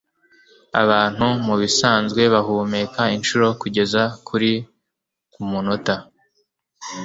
Abantu mubisanzwe bahumeka inshuro kugeza kuri kumunota.